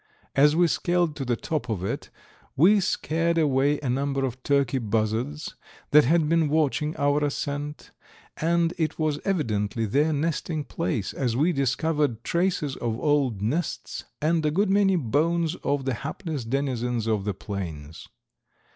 As we scaled to the top of it we scared away a number of turkey buzzards that had been watching our ascent, and it was evidently their nesting place, as we discovered traces of old nests and a good many bones of the hapless denizens of the plains.